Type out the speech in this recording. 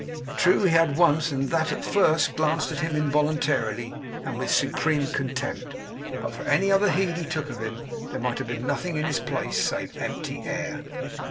True, he had once, and that at first, glanced at him involuntarily, and with supreme contempt; but for any other heed he took of him, there might have been nothing in his place save empty air.